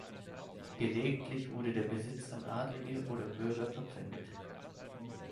Gelegentlich wurde der Besitz an Adelige oder Bürger verpfändet.